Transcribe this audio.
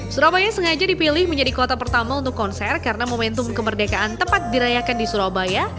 surabaya sengaja dipilih menjadi kota pertama untuk konser karena momentum kemerdekaan tepat dirayakan di surabaya